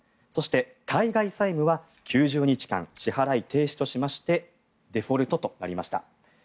そして、対外債務は９０日間支払い停止としましてデフォルトとなりました。